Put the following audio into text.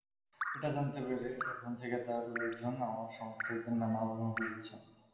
এটা জানতে পেরে এখন থেকে তাঁর লোকজন আমার সমর্থকদের নানাভাবে হুমকি দিচ্ছেন।